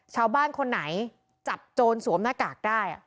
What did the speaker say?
ชาวบ้านคนไหนจับโจรสวมหน้ากากได้